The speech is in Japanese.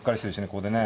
ここでね。